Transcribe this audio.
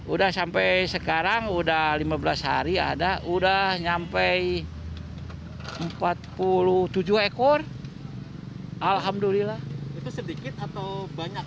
udah sampai sekarang udah lima belas hari ada udah nyampe empat puluh tujuh ekor alhamdulillah itu sedikit atau banyak